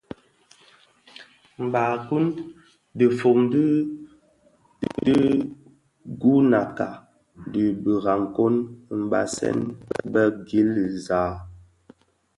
Barkun, dhifom di dhiguňakka di birakong mbasèn bè gil za.